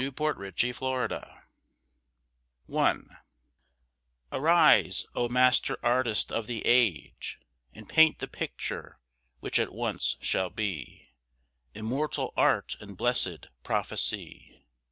THE RADIANT CHRIST I Arise, O master artist of the age, And paint the picture which at once shall be Immortal art and bless'd prophecy.